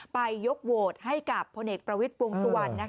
ไปยกโหวตให้กับพลเอกประวิทย์วงสุวรรณ